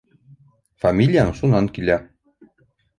—Фамилияң шунан килә